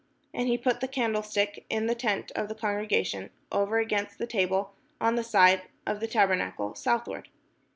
And he put the candlestick in the tent of the congregation, over against the table, on the side of the tabernacle southward.